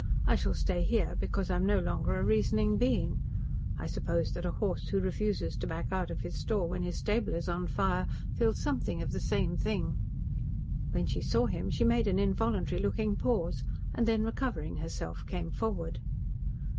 I shall stay here, because I am no longer a reasoning being. I suppose that a horse who refuses to back out of his stall when his stable is on fire feels something of the same thing." When she saw him she made an involuntary looking pause, and then recovering herself, came forward.